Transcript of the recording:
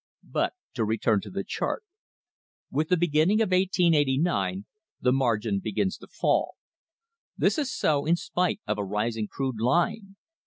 But to return to the chart. With the beginning of 1889 the margin begins to fall. This is so in spite of a rising crude line.